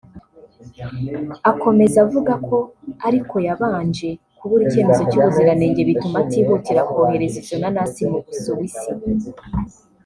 Akomeza avuga ko ariko yabanje kubura icyemezo cy’ubuziranenge bituma atihutira kohereza izo nanasi mu Busuwisi